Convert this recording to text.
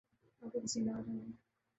آپ کو پسینہ آرہا ہے